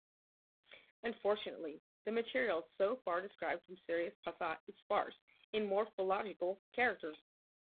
Unfortunately, the material so far described from Sirius Passet is sparse in morphological characters.